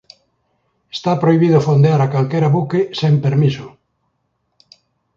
Está prohibido fondear a calquera buque sen permiso.